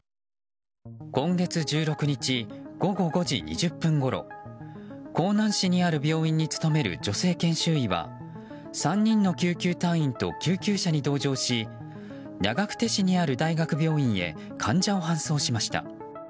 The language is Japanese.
今月１６日午後５時２０分ごろ江南市にある病院に勤める女性研修医は３人の救急隊員と救急車に同乗し長久手市にある大学病院へ患者を搬送しました。